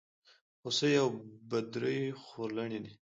هوسۍ او بدرۍ خورلڼي دي.